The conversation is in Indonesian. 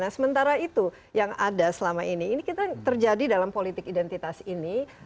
nah sementara itu yang ada selama ini ini kita yang terjadi dalam politik identitas ini